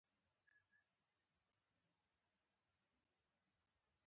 خواښې مې وویل زه لس کاله په دې ناروغۍ اخته یم.